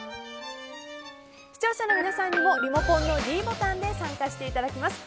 視聴者の皆さんにもリモコンのｄボタンで参加していただきます。